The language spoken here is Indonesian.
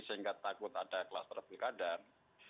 sehingga takut ada kelas terlebih keadaan